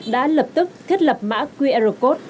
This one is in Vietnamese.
đã lập tức thiết lập mã qr code